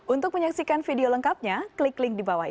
untuk menyaksikan video lengkapnya klik link di bawah ini